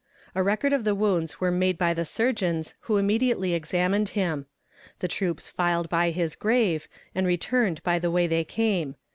A record of the wounds were made by the surgeons who immediately examined him. The troops filed by his grave, and returned by the way they came.